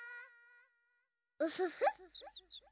ウフフ。